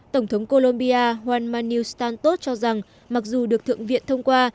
tổng thống colombia juan manuel santos cho rằng mặc dù được thượng viện thông qua